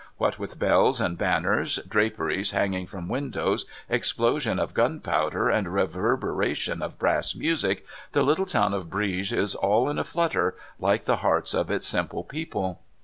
What with bells and banners, draperies hanging from windows, explosion of gunpowder, and reverberation of brass music, the little town of Brieg is all in a flutter, like the hearts of its simple people.